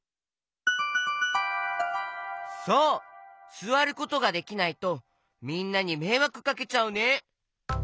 すわることができないとみんなにめいわくかけちゃうね。